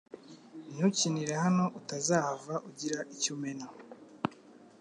Ntukinire hano utazahava ugira icyo umena